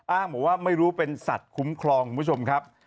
อ้างบอกว่าไม่รู้เป็นสัตว์คุ้มครองคุณผู้ชมครับ